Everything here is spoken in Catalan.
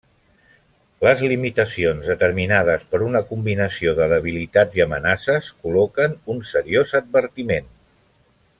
Les limitacions, determinades per una combinació de debilitats i amenaces, col·loquen un seriós advertiment.